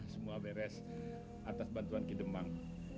semua beres atas bantuan kidemang